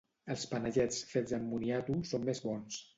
Els panellets fets amb moniato són més bons.